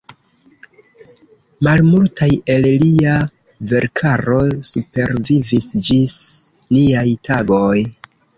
Malmultaj el lia verkaro supervivis ĝis niaj tagoj.